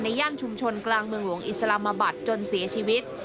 ย่านชุมชนกลางเมืองหลวงอิสลามบัตรจนเสียชีวิต